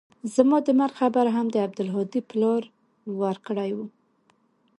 زما د مرګ خبر هم د عبدالهادي پلار ورکړى و.